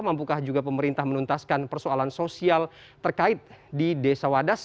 mampukah juga pemerintah menuntaskan persoalan sosial terkait di desa wadas